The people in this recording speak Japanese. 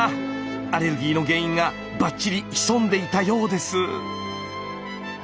アレルギーの原因がバッチリ潜んでいたようです。